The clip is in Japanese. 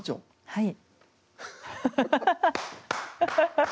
はい！